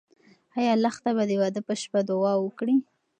ایا لښته به د واده په شپه دعا وکړي؟